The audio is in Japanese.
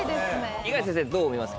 五十嵐先生どう思いますか？